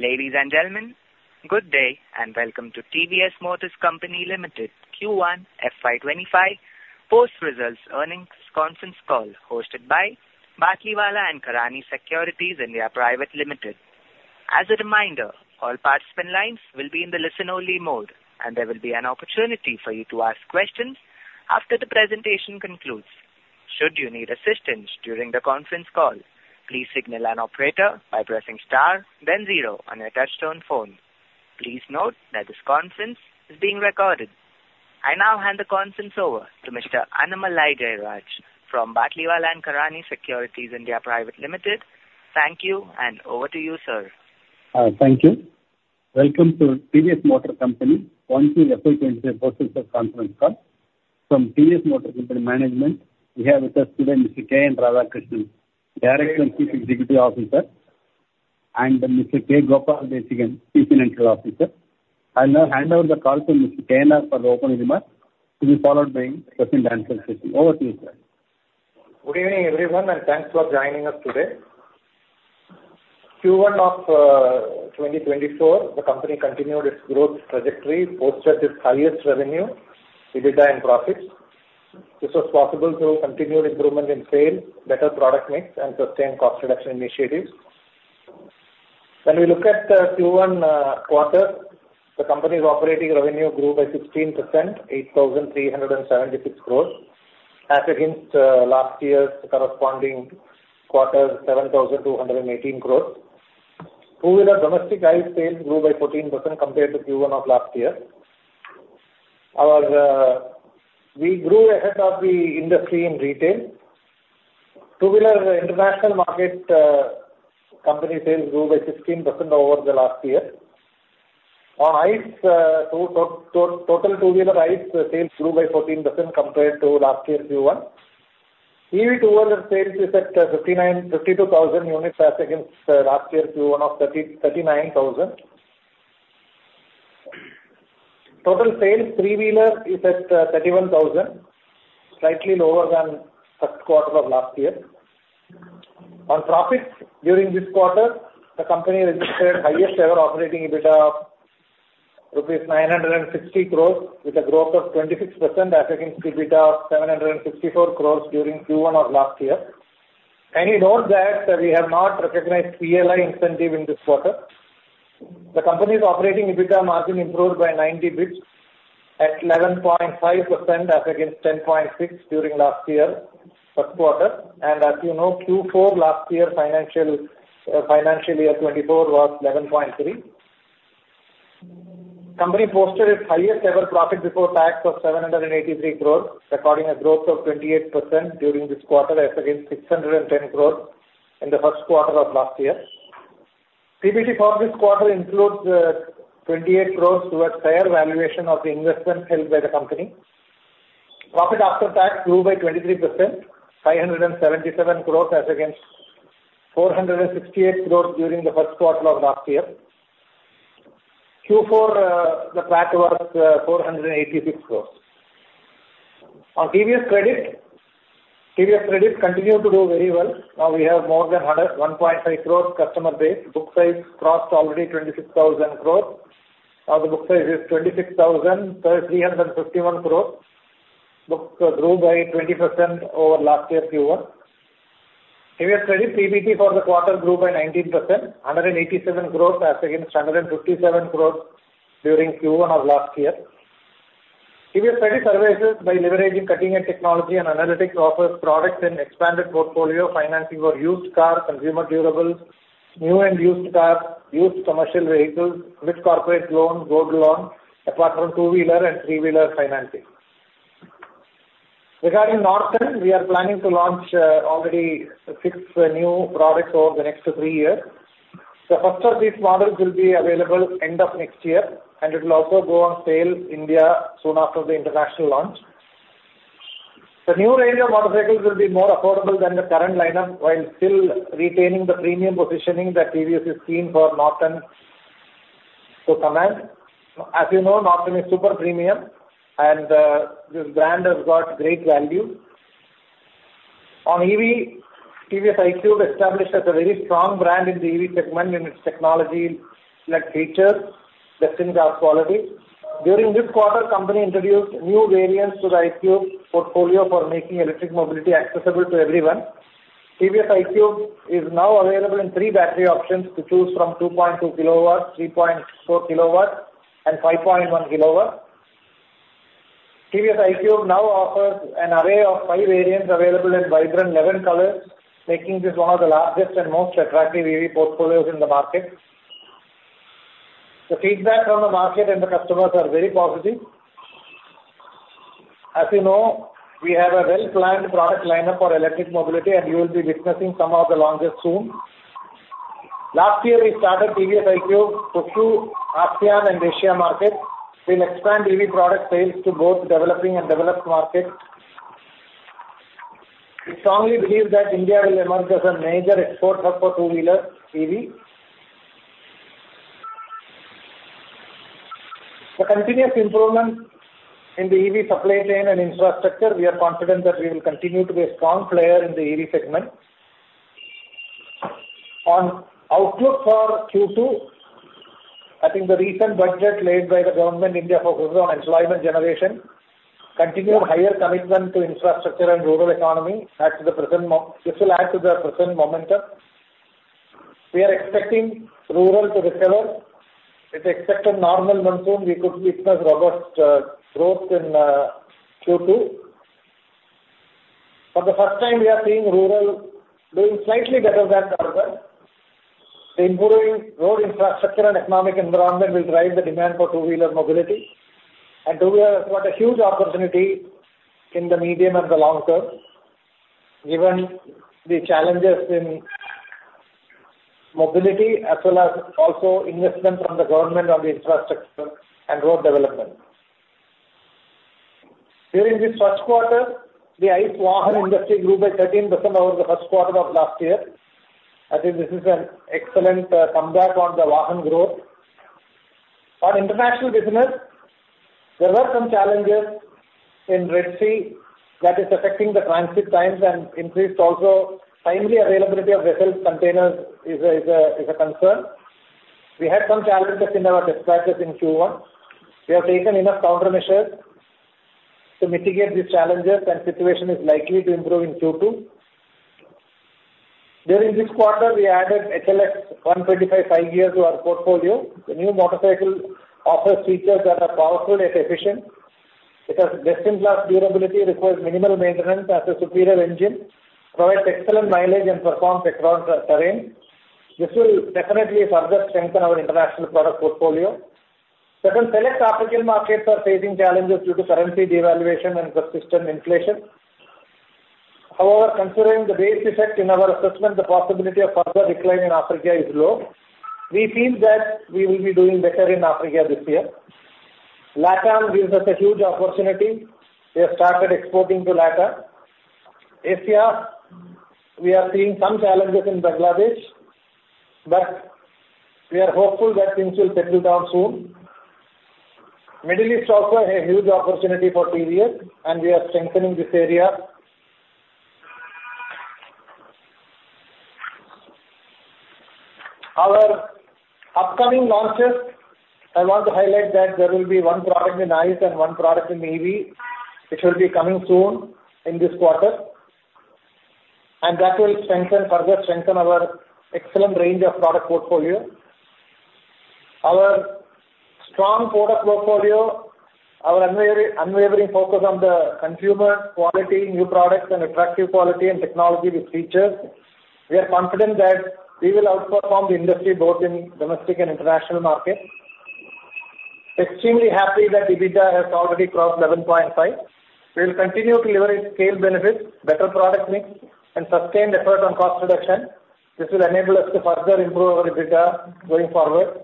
Ladies and gentlemen, good day, and welcome to TVS Motor Company Limited Q1 FY25 post-results earnings conference call, hosted by Batlivala & Karani Securities India Private Limited. As a reminder, all participant lines will be in the listen-only mode, and there will be an opportunity for you to ask questions after the presentation concludes. Should you need assistance during the conference call, please signal an operator by pressing star then zero on your touchtone phone. Please note that this conference is being recorded. I now hand the conference over to Mr. Annamalai Jayaraj from Batlivala & Karani Securities India Private Limited. Thank you, and over to you, sir. Thank you. Welcome to TVS Motor Company Q1 FY25 post-results conference call. From TVS Motor Company management, we have with us today Mr. K.N. Radhakrishnan, Director and Chief Executive Officer, and Mr. K. Gopala Desikan, Chief Financial Officer. I will now hand over the call to Mr. KNR for the opening remarks, to be followed by questions and answers. Over to you, sir. Good evening, everyone, and thanks for joining us today. Q1 of 2024, the company continued its growth trajectory, posted its highest revenue, EBITDA, and profits. This was possible through continued improvement in sales, better product mix, and sustained cost reduction initiatives. When we look at Q1 quarter, the company's operating revenue grew by 16%, 8,376 crore, as against last year's corresponding quarter, 7,218 crore. Two-wheeler domestic ICE sales grew by 14% compared to Q1 of last year. We grew ahead of the industry in retail. Two-wheeler international market, company sales grew by 16% over the last year. On ICE, total two-wheeler ICE sales grew by 14% compared to last year Q1. EV two-wheeler sales is at 52,000 units, as against last year Q1 of 39,000. Total sales, three-wheeler is at 31,000, slightly lower than first quarter of last year. On profits, during this quarter, the company registered highest ever operating EBITDA of rupees 960 crores, with a growth of 26% as against EBITDA 764 crores during Q1 of last year. Kindly note that we have not recognized PLI incentive in this quarter. The company's operating EBITDA margin improved by 90 basis points at 11.5%, as against 10.6% during last year, first quarter. And as you know, Q4 last year, financial year 2024, was 11.3. Company posted its highest ever profit before tax of 783 crore, recording a growth of 28% during this quarter, as against 610 crore in the first quarter of last year. PBT for this quarter includes 28 crore towards fair valuation of the investments held by the company. Profit after tax grew by 23%, 577 crore as against 468 crore during the first quarter of last year. Q4 the tax was 486 crore. On TVS Credit, TVS Credit continued to do very well. We have more than 100, 1.5 crore customer base. Book size crossed already 26,000 crore. Now, the book size is 26,351 crore. Books grew by 20% over last year Q1. TVS Credit PBT for the quarter grew by 19%, 187 crore as against 157 crore during Q1 of last year. TVS Credit Services, by leveraging cutting-edge technology and analytics, offers products and expanded portfolio financing for used cars, consumer durables, new and used cars, used commercial vehicles, with corporate loans, gold loans, apart from two-wheeler and three-wheeler financing. Regarding Norton, we are planning to launch already six new products over the next three years. The first of these models will be available end of next year, and it will also go on sale in India soon after the international launch. The new range of motorcycles will be more affordable than the current lineup, while still retaining the premium positioning that TVS has seen for Norton to command. As you know, Norton is super premium, and this brand has got great value. On EV, TVS iQube established as a very strong brand in the EV segment in its technology, like, features, destined as quality. During this quarter, company introduced new variants to the iQube portfolio for making electric mobility accessible to everyone. TVS iQube is now available in three battery options to choose from 2.2 kW, 3.4 kW, and 5.1 kW. TVS iQube now offers an array of five variants available in vibrant 11 colors, making this one of the largest and most attractive EV portfolios in the market. The feedback from the market and the customers are very positive. As you know, we have a well-planned product lineup for electric mobility, and you will be witnessing some of the launches soon. Last year, we started TVS iQube to few ASEAN and Asia markets. We'll expand EV product sales to both developing and developed markets. We strongly believe that India will emerge as a major exporter for two-wheeler EV. The continuous improvement in the EV supply chain and infrastructure, we are confident that we will continue to be a strong player in the EV segment. On outlook for Q2, I think the recent budget laid by the Government India focus on employment generation, continued higher commitment to infrastructure and rural economy adds to the present momentum. We are expecting rural to recover. With expected normal monsoon, we could witness robust growth in Q2. For the first time, we are seeing rural doing slightly better than urban. The improving road infrastructure and economic environment will drive the demand for two-wheeler mobility, and two-wheeler has got a huge opportunity in the medium and the long term, given the challenges in mobility, as well as also investment from the government on the infrastructure and road development. During this first quarter, the ICE vehicle industry grew by 13% over the first quarter of last year. I think this is an excellent comeback on the vehicle growth. On international business, there were some challenges in Red Sea that is affecting the transit times and increased also timely availability of vessel containers is a concern. We had some challenges in our dispatchers in Q1. We have taken enough countermeasures to mitigate these challenges, and situation is likely to improve in Q2. During this quarter, we added HLX 125 5 Gears to our portfolio. The new motorcycle offers features that are powerful yet efficient. It has best-in-class durability, requires minimal maintenance, has a superior engine, provides excellent mileage and performs across terrain. This will definitely further strengthen our international product portfolio. Certain select African markets are facing challenges due to currency devaluation and persistent inflation. However, considering the base effect in our assessment, the possibility of further decline in Africa is low. We feel that we will be doing better in Africa this year. LATAM gives us a huge opportunity. We have started exporting to LATAM. Asia, we are seeing some challenges in Bangladesh, but we are hopeful that things will settle down soon. Middle East also a huge opportunity for TVS, and we are strengthening this area. Our upcoming launches, I want to highlight that there will be one product in ICE and one product in EV, which will be coming soon in this quarter, and that will strengthen, further strengthen our excellent range of product portfolio. Our strong product portfolio, our unwavering focus on the consumer, quality, new products, and attractive quality and technology with features, we are confident that we will outperform the industry both in domestic and international markets. Extremely happy that EBITDA has already crossed 11.5. We will continue to leverage scale benefits, better product mix, and sustained effort on cost reduction. This will enable us to further improve our EBITDA going forward.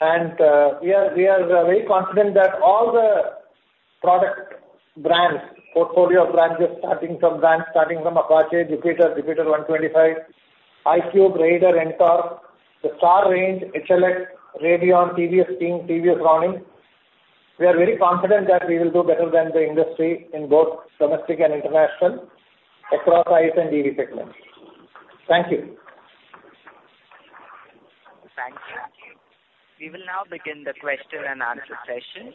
We are very confident that all the product brands, portfolio of brands, just starting from brands, starting from Apache, Jupiter, Jupiter 125, iQube, Raider, Ntorq, the Star range, HLX, Radeon, TVS King, TVS Ronin. We are very confident that we will do better than the industry in both domestic and international, across ICE and EV segments. Thank you. Thank you. We will now begin the question and answer session.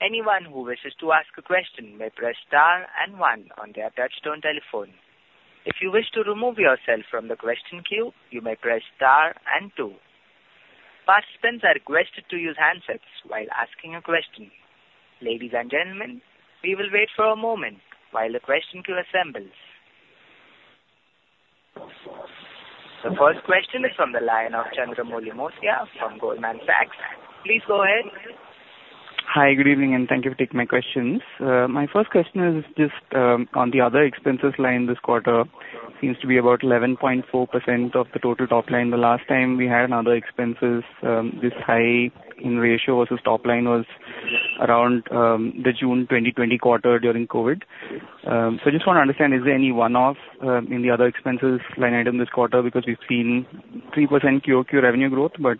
Anyone who wishes to ask a question may press star and one on their touchtone telephone. If you wish to remove yourself from the question queue, you may press star and two. Participants are requested to use handsets while asking a question. Ladies and gentlemen, we will wait for a moment while the question queue assembles. The first question is from the line of Chandramouli Muthiah from Goldman Sachs. Please go ahead. Hi, good evening, and thank you for taking my questions. My first question is just on the other expenses line this quarter. Seems to be about 11.4% of the total top line. The last time we had other expenses this high in ratio versus top line was around the June 2020 quarter during COVID. So I just want to understand, is there any one-off in the other expenses line item this quarter? Because we've seen 3% QOQ revenue growth, but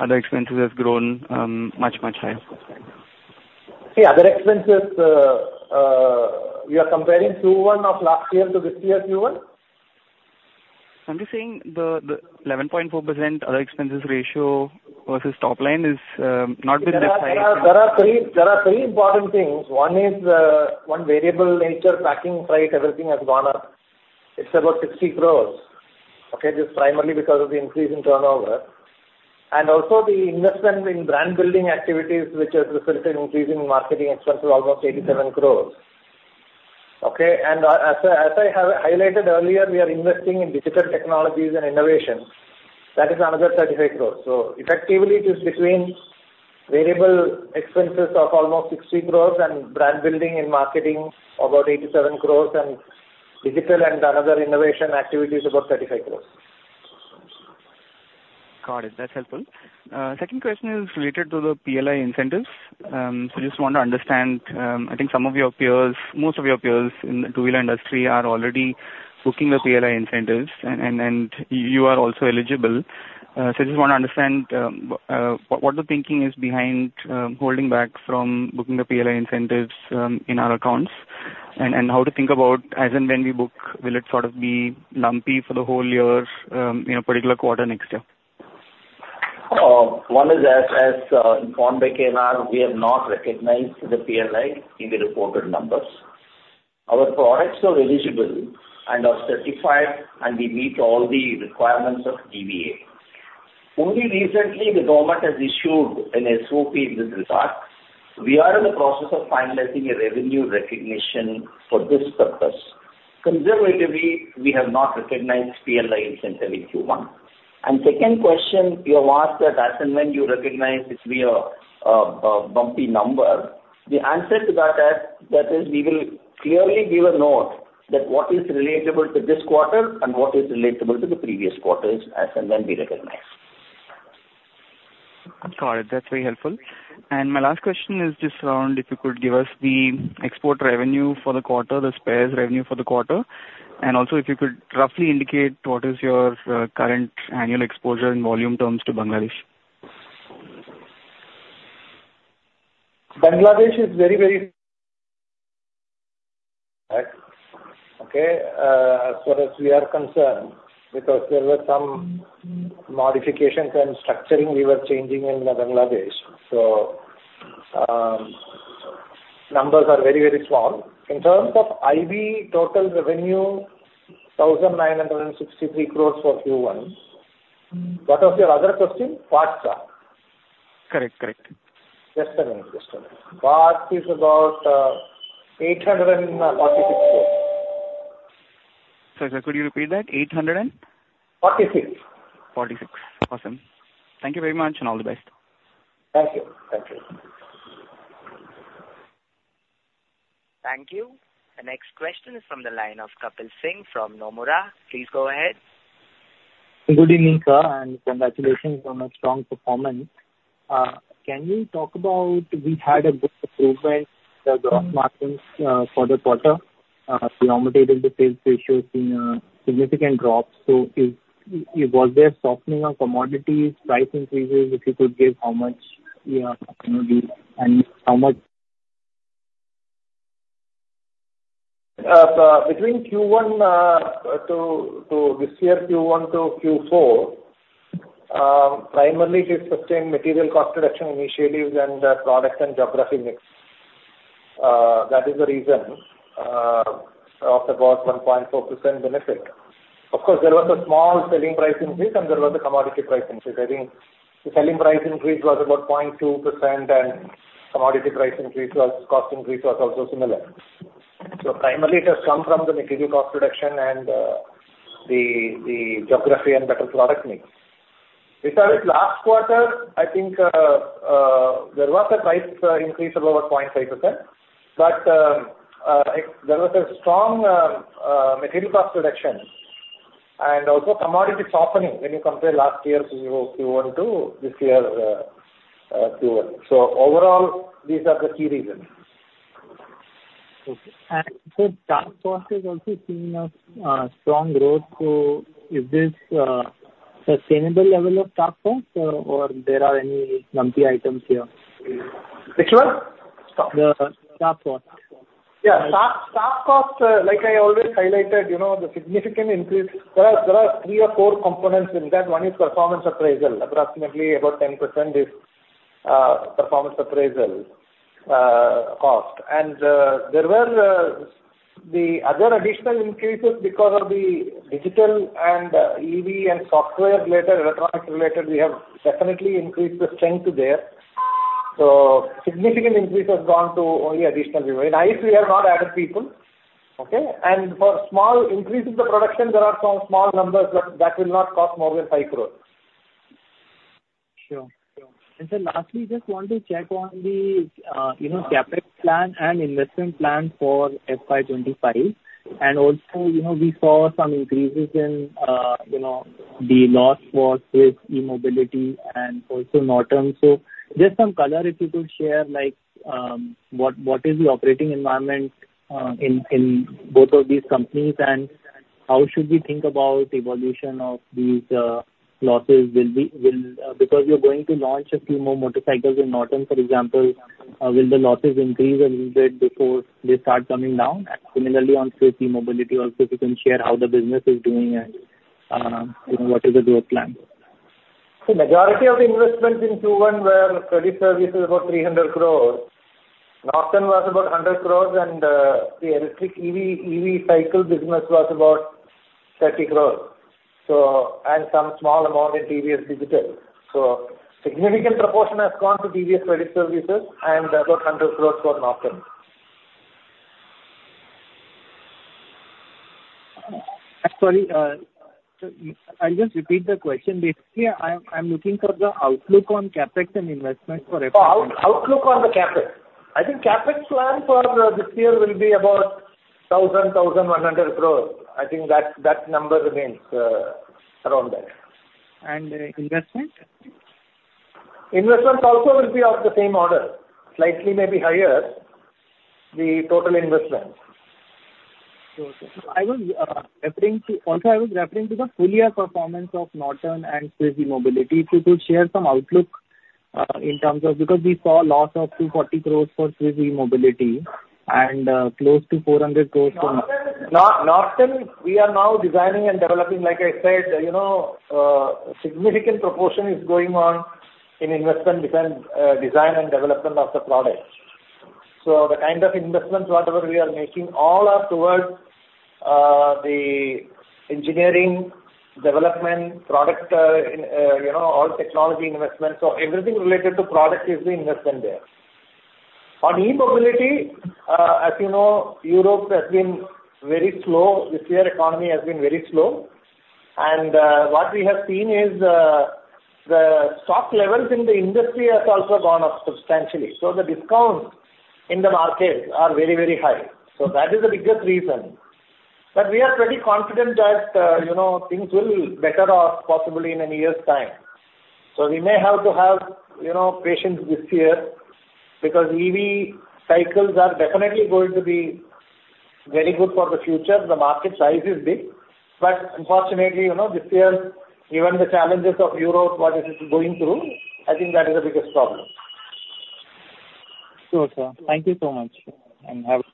other expenses has grown much, much higher. The other expenses, we are comparing Q1 of last year to this year's Q1? I'm just saying the 11.4% other expenses ratio versus top line is not been this high- There are three important things. One is one variable nature, packing, freight, everything has gone up. It's about 60 crores, okay? Just primarily because of the increase in turnover. And also the investment in brand building activities, which has resulted in increase in marketing expenses, almost 87 crores. Okay, and as I have highlighted earlier, we are investing in digital technologies and innovation. That is another 35 crores. So effectively, it is between variable expenses of almost 60 crores and brand building and marketing, about 87 crores, and digital and another innovation activity is about 35 crores. Got it. That's helpful. Second question is related to the PLI incentives. So just want to understand, I think some of your peers, most of your peers in the two-wheeler industry are already booking the PLI incentives, and you are also eligible. So I just want to understand, what the thinking is behind holding back from booking the PLI incentives in our accounts, and how to think about as and when we book, will it sort of be lumpy for the whole year in a particular quarter next year? One is as informed by KNR, we have not recognized the PLI in the reported numbers. Our products are eligible and are certified, and we meet all the requirements of EBITDA. Only recently, the government has issued an SOP in this regard. We are in the process of finalizing a revenue recognition for this purpose. Conservatively, we have not recognized PLI incentive in Q1. Second question you have asked that as and when you recognize it, we, bumpy number. The answer to that is, that is, we will clearly give a note that what is relatable to this quarter and what is relatable to the previous quarters as and when we recognize. Got it. That's very helpful. And my last question is just around, if you could give us the export revenue for the quarter, the spares revenue for the quarter, and also if you could roughly indicate what is your current annual exposure in volume terms to Bangladesh? Bangladesh is very, very okay, as far as we are concerned, because there were some modifications and structuring we were changing in the Bangladesh, numbers are very, very small. In terms of IB total revenue, 1,963 crores for Q1. What was your other question? Parts? Correct, correct. Yes, correct. Yes, correct. Parts is about 846 crore. Sorry, sir, could you repeat that? 800 and...? 46 46. Awesome. Thank you very much, and all the best. Thank you. Thank you. Thank you. The next question is from the line of Kapil Singh from Nomura. Please go ahead. Good evening, sir, and congratulations on a strong performance. Can you talk about, we had a good approval, the gross margins, for the quarter. The operating sales ratio seen a significant drop. So was there softening of commodities, price increases, if you could give how much, yeah, you know, the, and how much? So between Q1 to this year, Q1 to Q4, primarily it is sustained material cost reduction initiatives and, product and geography mix. That is the reason of about 1.4% benefit. Of course, there was a small selling price increase, and there was a commodity price increase. I think the selling price increase was about 0.2%, and commodity price increase was, cost increase was also similar. So primarily it has come from the material cost reduction and, the geography and better product mix. We started last quarter, I think, there was a price increase of about 0.5%, but there was a strong material cost reduction and also commodity softening when you compare last year's Q1 to this year, Q1. Overall, these are the key reasons. Okay. So staff cost has also seen a strong growth. So is this sustainable level of staff cost, or there are any lumpy items here? Which one? The staff cost. Yeah, staff, staff cost, like I always highlighted, you know, the significant increase. There are three or four components in that. One is performance appraisal. Approximately about 10% is performance appraisal cost. And there were the other additional increases because of the digital and EV and software-related, electronics-related. We have definitely increased the strength there. So significant increase has gone to only additional people. In ICE, we have not added people, okay? And for small increase in the production, there are some small numbers, but that will not cost more than 5 crore. Sure. Sure. And sir, lastly, just want to check on the, you know, CapEx plan and investment plan for FY 25. And also, you know, we saw some increases in, you know, the loss for Swiss E-Mobility and also Norton. So just some color, if you could share, like, what, what is the operating environment, in, in both of these companies? And how should we think about evolution of these, losses? Because you're going to launch a few more motorcycles in Norton, for example, will the losses increase a little bit before they start coming down? And similarly, on Swiss E-Mobility also, if you can share how the business is doing and, you know, what is the growth plan? The majority of the investments in Q1 were credit services, about 300 crores. Norton was about 100 crores, and the electric EV, EV cycle business was about 30 crores. So, and some small amount in TVS Digital. So significant proportion has gone to TVS Credit Services and about 100 crores for Norton. I'll just repeat the question. Basically, I'm looking for the outlook on CapEx and investment for FY 25. Oh, outlook on the CapEx. I think CapEx plan for this year will be about 1,100 crores. I think that number remains around that. And, investment?... Investments also will be of the same order, slightly maybe higher, the total investment. Sure, sir. I was referring to, also I was referring to the full year performance of Norton and Swiggy Mobility. If you could share some outlook, in terms of, because we saw a loss of 240 crore for Swiggy Mobility and, close to 400 crore for- No, Norton, we are now designing and developing, like I said, you know, significant proportion is going on in investment design, design and development of the product. So the kind of investments whatever we are making, all are towards, the engineering, development, product, you know, all technology investments, so everything related to product is the investment there. On E-mobility, as you know, Europe has been very slow, this year economy has been very slow. And, what we have seen is, the stock levels in the industry has also gone up substantially, so the discounts in the markets are very, very high. So that is the biggest reason. But we are pretty confident that, you know, things will be better off possibly in a year's time. So we may have to have, you know, patience this year, because EV cycles are definitely going to be very good for the future. The market size is big. But unfortunately, you know, this year, given the challenges of Europe, what it is going through, I think that is the biggest problem. Sure, sir. Thank you so much, and have a-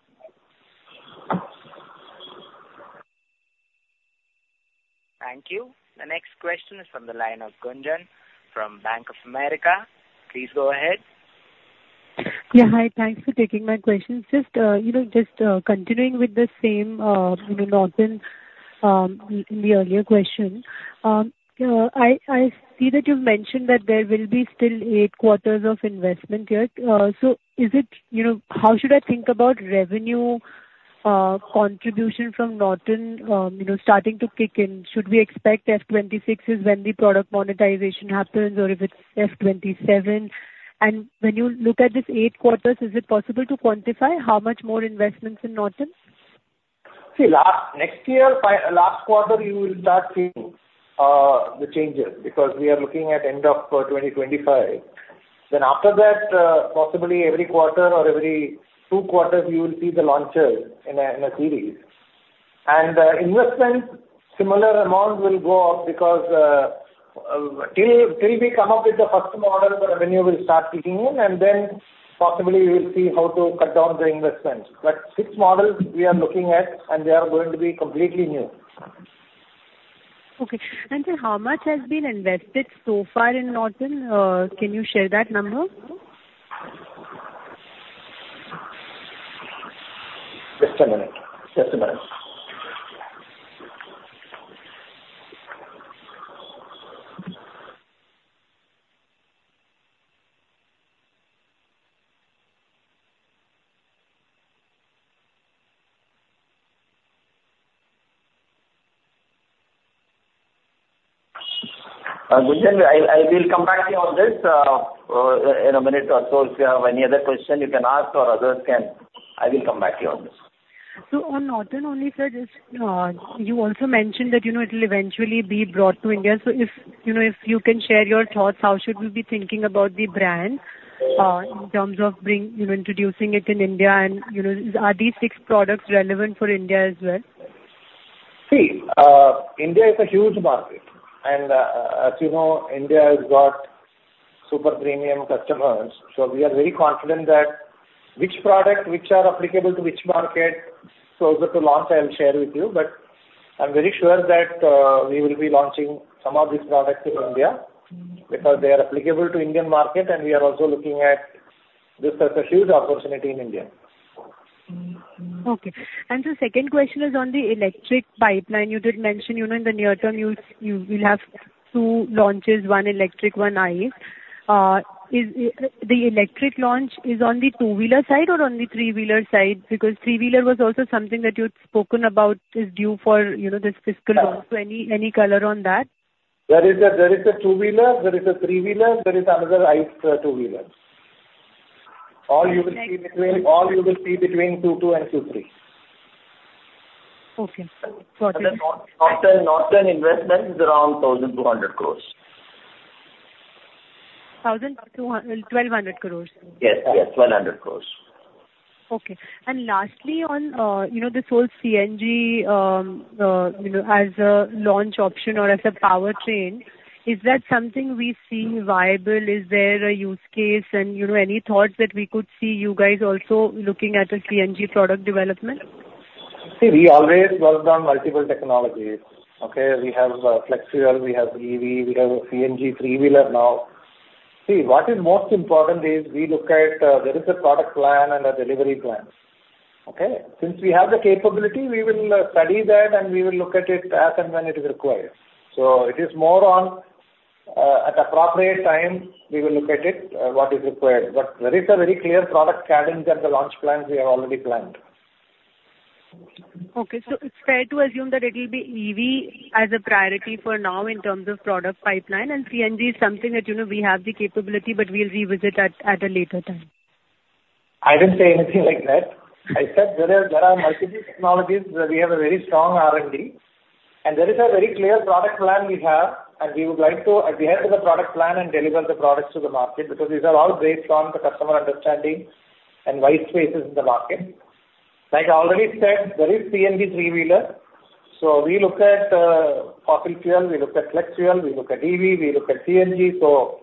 Thank you. The next question is from the line of Gunjan from Bank of America. Please go ahead. Yeah, hi, thanks for taking my questions. Just, you know, just, continuing with the same, you know, Norton, in the earlier question. I see that you've mentioned that there will be still eight quarters of investment yet. So is it, you know, how should I think about revenue, contribution from Norton, you know, starting to kick in? Should we expect FY 26 is when the product monetization happens, or if it's FY 27? And when you look at this eight quarters, is it possible to quantify how much more investments in Norton? See, next year, by last quarter, you will start seeing the changes, because we are looking at end of 2025. Then after that, possibly every quarter or every two quarters, you will see the launches in a series. And investments, similar amounts will go up because till we come up with the first model, the revenue will start kicking in, and then possibly we will see how to cut down the investment. But six models we are looking at, and they are going to be completely new. Okay. And, sir, how much has been invested so far in Norton? Can you share that number? Just a minute. Just a minute. Gunjan, I will come back to you on this in a minute or so. If you have any other question, you can ask or others can... I will come back to you on this. So on Norton only, sir, just, you also mentioned that, you know, it'll eventually be brought to India. So if, you know, if you can share your thoughts, how should we be thinking about the brand, in terms of bringing, you know, introducing it in India, and, you know, are these six products relevant for India as well? See, India is a huge market, and, as you know, India has got super premium customers. So we are very confident that which product, which are applicable to which market, closer to launch, I will share with you. But I'm very sure that, we will be launching some of these products in India, because they are applicable to Indian market, and we are also looking at this as a huge opportunity in India. Mm-hmm. Okay. And the second question is on the electric pipeline. You did mention, you know, in the near term, you'll, you will have two launches, one electric, one ICE. Is the electric launch on the two-wheeler side or on the three-wheeler side? Because three-wheeler was also something that you'd spoken about, is due for, you know, this fiscal year. So any color on that? There is a two-wheeler, there is a three-wheeler, there is another ICE two-wheeler. Okay. All you will see between 2022 and 2023. Okay. Got it. The Norton investment is around 1,200 crore. 1,200 crore? Yes, yes, 1,200 crore. Okay. And lastly, on, you know, this whole CNG, you know, as a launch option or as a powertrain, is that something we see viable? Is there a use case and, you know, any thoughts that we could see you guys also looking at a CNG product development? See, we always worked on multiple technologies, okay? We have flex-fuel, we have EV, we have a CNG three-wheeler now. See, what is most important is we look at, there is a product plan and a delivery plan. Okay? Since we have the capability, we will study that and we will look at it as and when it is required. So it is more on, at appropriate time, we will look at it, what is required. But there is a very clear product calendar and the launch plans we have already planned. Okay. So it's fair to assume that it'll be EV as a priority for now in terms of product pipeline, and CNG is something that, you know, we have the capability, but we'll revisit at a later time?... I didn't say anything like that. I said there are, there are multiple technologies where we have a very strong R&D, and there is a very clear product plan we have, and we would like to adhere to the product plan and deliver the products to the market, because these are all based on the customer understanding and white spaces in the market. Like I already said, there is CNG three-wheeler, so we look at, fossil fuel, we look at flex fuel, we look at EV, we look at CNG. So,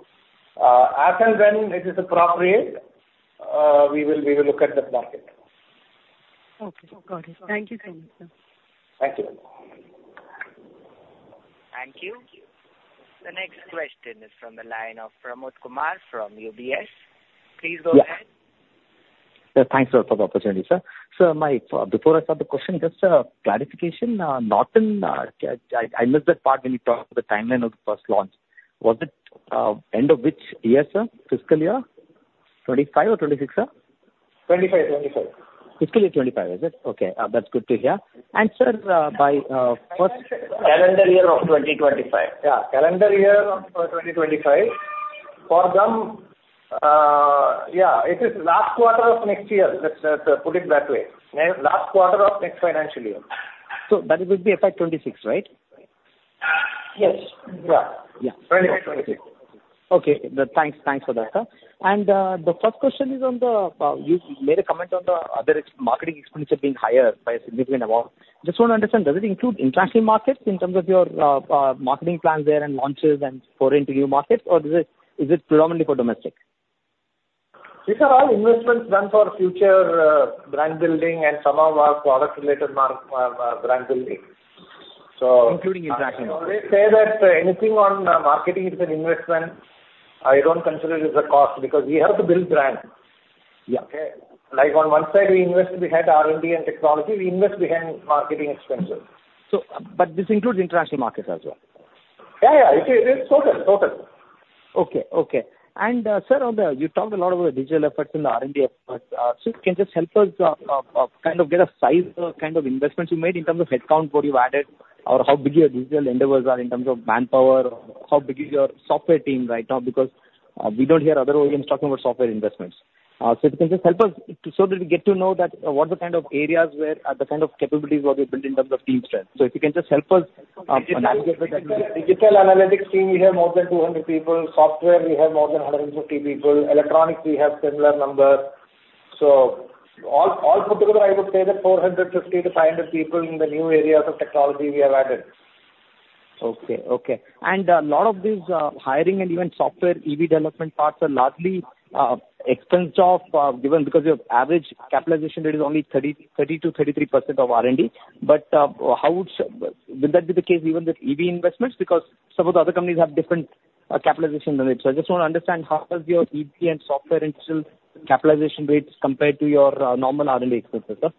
as and when it is appropriate, we will, we will look at the market. Okay. Got it. Thank you so much, sir. Thank you. Thank you. The next question is from the line of Pramod Kumar from UBS. Please go ahead. Yeah. Thanks, sir, for the opportunity, sir. So, before I start the question, just a clarification, I missed that part when you talked about the timeline of the first launch. Was it end of which year, sir? Fiscal year 25 or 26, sir? 25, 25. Fiscal year 25, is it? Okay, that's good to hear. And, sir, by, first- Calendar year of 2025. Yeah, calendar year of 2025. For them, yeah, it is last quarter of next year. Let's put it that way. Last quarter of next financial year. So that it would be FY 26, right? Yes. Yeah. Yeah. 2026. Okay. Thanks, thanks for that, sir. And, the first question is on the, you made a comment on the, there is marketing expense are being higher by a significant amount. Just want to understand, does it include international markets in terms of your, marketing plans there and launches and pouring into new markets? Or is it, is it predominantly for domestic? These are all investments done for future brand building and some of our product-related mark brand building. So- Including international. I always say that anything on marketing is an investment. I don't consider it as a cost because we have to build brand. Yeah. Okay? Like, on one side, we invest behind R&D and technology, we invest behind marketing expenses. So, but this includes international markets as well? Yeah, yeah. It, it's total, total. Okay, okay. And, sir, on the... You talked a lot about digital efforts and the R&D efforts. So can you just help us kind of get a size of kind of investments you made in terms of headcount, what you've added, or how big your digital endeavors are in terms of manpower? How big is your software team right now? Because we don't hear other OEMs talking about software investments. So if you can just help us, so that we get to know that what the kind of areas where the kind of capabilities you are building in terms of team strength. So if you can just help us navigate that- Digital analytics team, we have more than 200 people. Software, we have more than 150 people. Electronics, we have similar numbers. So all put together, I would say that 450-500 people in the new areas of technology we have added. Okay, okay. And, a lot of these, hiring and even software EV development parts are largely, expensed, given because your average capitalization rate is only 30%-33% of R&D. But, how would... Would that be the case even with EV investments? Because some of the other companies have different, capitalization than it. So I just want to understand, how does your EV and software investment capitalization rates compare to your, normal R&D expenses, sir?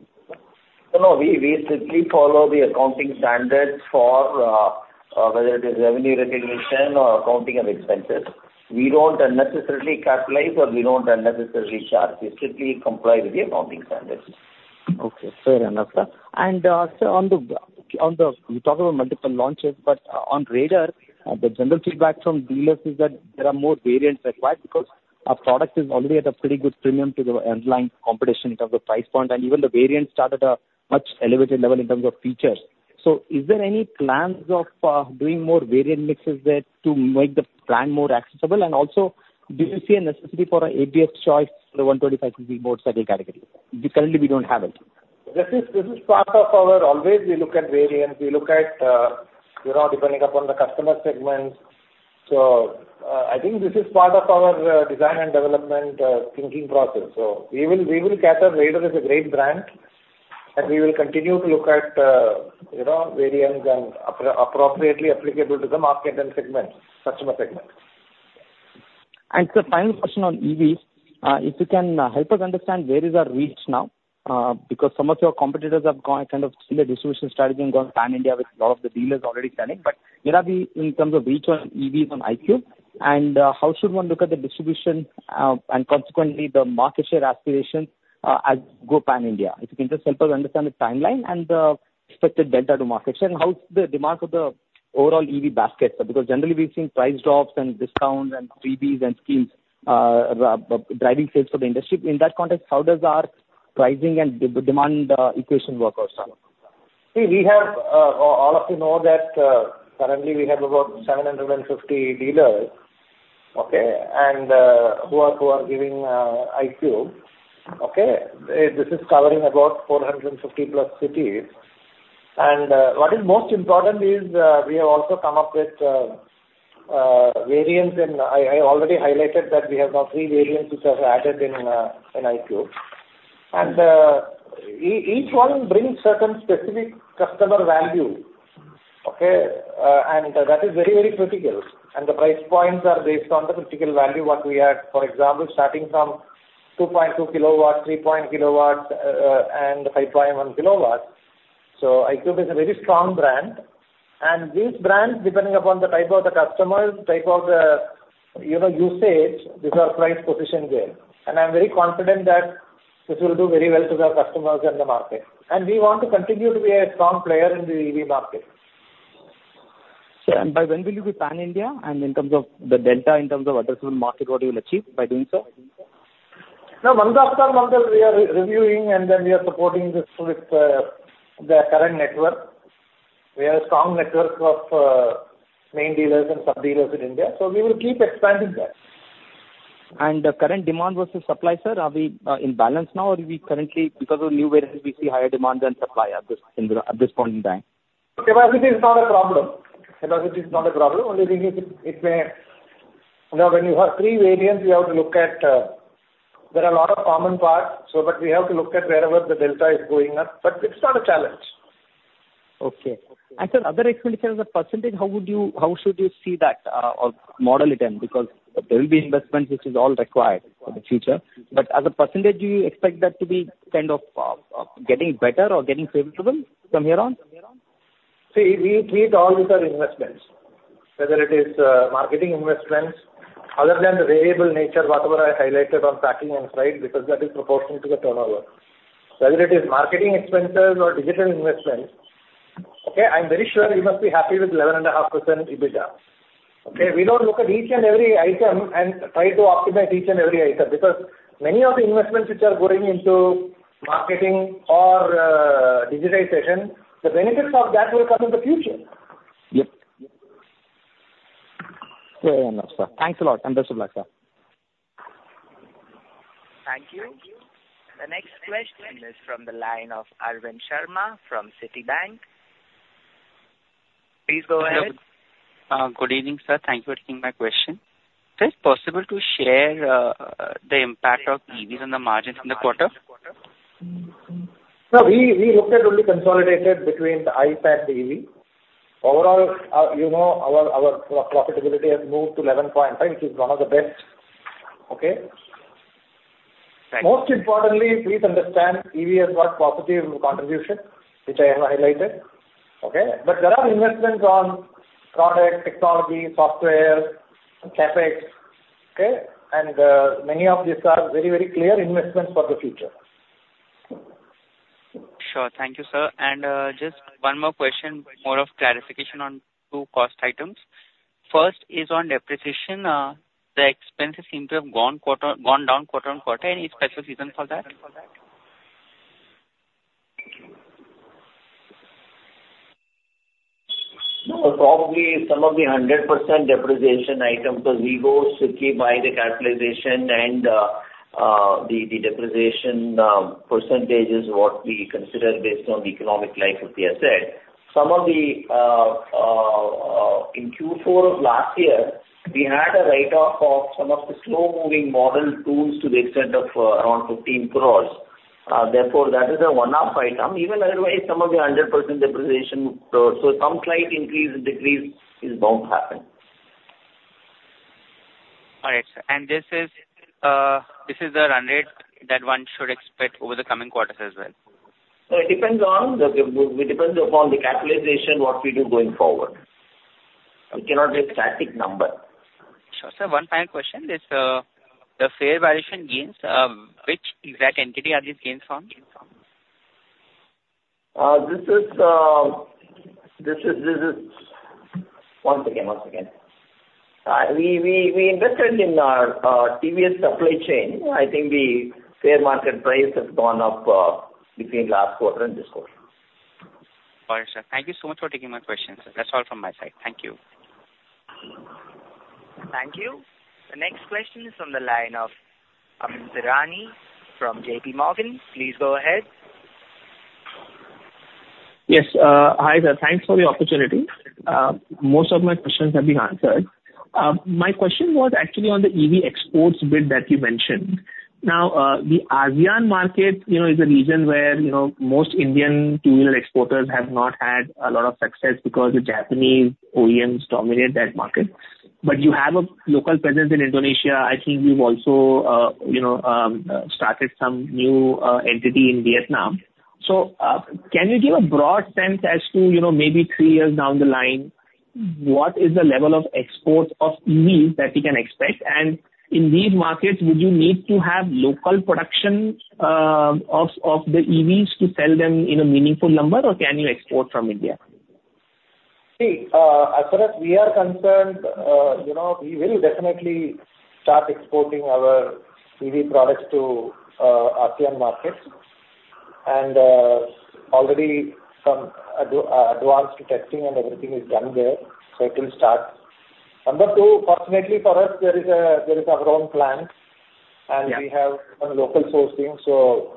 No, no. We, we strictly follow the accounting standards for whether it is revenue recognition or accounting of expenses. We don't unnecessarily capitalize, or we don't unnecessarily charge. We strictly comply with the accounting standards. Okay, fair enough, sir. And, sir, on the, on the, you talked about multiple launches, but on radar, the general feedback from dealers is that there are more variants required because our product is already at a pretty good premium to the underlying competition in terms of price point, and even the variants start at a much elevated level in terms of features. So is there any plans of doing more variant mixes there to make the brand more accessible? And also, do you see a necessity for an ATF choice for the 125 cc motorcycle category? Currently, we don't have it. This is part of our always we look at variants. We look at, you know, depending upon the customer segments. So, I think this is part of our design and development thinking process. So we will gather Radeon is a great brand, and we will continue to look at, you know, variants and appropriately applicable to the market and segments, customer segments. Sir, final question on EVs. If you can help us understand where our reach is now, because some of your competitors have gone kind of similar distribution strategy and gone pan-India, with a lot of the dealers already selling. But where are we in terms of reach on EVs on iQube? And, how should one look at the distribution and consequently, the market share aspiration as go pan-India? If you can just help us understand the timeline and the expected delta to market share, and how is the demand for the overall EV basket? Because generally we've seen price drops and discounts and freebies and schemes driving sales for the industry. In that context, how does our pricing and demand equation work out, sir? See, we have all of you know that currently we have about 750 dealers, okay? And who are giving iQube. Okay, this is covering about 450+ cities. And what is most important is we have also come up with variants, and I already highlighted that we have now three variants which are added in iQube. And each one brings certain specific customer value, okay? And that is very, very critical. And the price points are based on the critical value what we had. For example, starting from 2.2 kW, 3 point kW, and 5.1 kW. iQube is a very strong brand, and these brands, depending upon the type of the customers, type of the, you know, usage, these are price position well. I'm very confident that this will do very well to our customers and the market. We want to continue to be a strong player in the EV market.... Sir, and by when will you be pan-India, and in terms of the delta, in terms of addressable market, what you will achieve by doing so? No, month after month, we are reviewing, and then we are supporting this with the current network. We have a strong network of main dealers and sub-dealers in India, so we will keep expanding that. The current demand versus supply, sir, are we in balance now, or are we currently, because of the new variants, we see higher demand than supply at this, in the, at this point in time? Capacity is not a problem. Capacity is not a problem. Only thing is, it may... Now, when you have three variants, you have to look at, there are a lot of common parts, so but we have to look at wherever the delta is going up, but it's not a challenge. Okay. Sir, other expenditures as a percentage, how would you—how should you see that, or model it in? Because there will be investments which is all required for the future, but as a percentage, do you expect that to be kind of getting better or getting favorable from here on? See, we treat all these are investments, whether it is, marketing investments, other than the variable nature, whatever I highlighted on packing and freight, because that is proportional to the turnover. Whether it is marketing expenses or digital investments, okay, I'm very sure you must be happy with 11.5% EBITDA. Okay? We don't look at each and every item and try to optimize each and every item, because many of the investments which are going into marketing or, digitization, the benefits of that will come in the future. Yep. Very well, sir. Thanks a lot, and best of luck, sir. Thank you. The next question is from the line of Arvind Sharma from Citibank. Please go ahead. Hello. Good evening, sir. Thank you for taking my question. Sir, is it possible to share the impact of EVs on the margins in the quarter? No, we looked at only consolidated between the ICE and the EV. Overall, you know, our profitability has moved to 11%, right, which is one of the best, okay? Thank you. Most importantly, please understand EV has got positive contribution, which I have highlighted, okay? But there are investments on product, technology, software, CapEx, okay? And, many of these are very, very clear investments for the future. Sure. Thank you, sir. Just one more question, more of clarification on two cost items. First is on depreciation. The expenses seem to have gone down quarter-on-quarter. Any special reason for that? No, probably some of the 100% depreciation item, because we go strictly by the capitalization and, the depreciation percentage is what we consider based on the economic life of the asset. Some of the, in Q4 of last year, we had a write-off of some of the slow-moving model tools to the extent of, around 15 crore. Therefore, that is a one-off item. Even otherwise, some of the 100% depreciation, so some slight increase and decrease is bound to happen. All right, sir. And this is, this is the run rate that one should expect over the coming quarters as well? No, it depends on the, it depends upon the capitalization, what we do going forward. We cannot take static number. Sure, sir. One final question. This, the fair valuation gains, which exact entity are these gains from? Once again, once again. We invested in TVS Supply Chain. I think the fair market price has gone up between last quarter and this quarter. All right, sir. Thank you so much for taking my questions. That's all from my side. Thank you. Thank you. The next question is from the line of Amyn Pirani from J.P. Morgan. Please go ahead. Yes, hi there. Thanks for the opportunity. Most of my questions have been answered. My question was actually on the EV exports bit that you mentioned. Now, the ASEAN market, you know, is a region where, you know, most Indian two-wheeler exporters have not had a lot of success because the Japanese OEMs dominate that market. But you have a local presence in Indonesia. I think you've also, you know, started some new entity in Vietnam. So, can you give a broad sense as to, you know, maybe three years down the line, what is the level of exports of EVs that we can expect? And in these markets, would you need to have local production of the EVs to sell them in a meaningful number, or can you export from India? See, as far as we are concerned, you know, we will definitely start exporting our EV products to, ASEAN markets. And, already some advanced testing and everything is done there, so it will start. Number two, fortunately for us, there is our own plant- Yeah. - and we have some local sourcing, so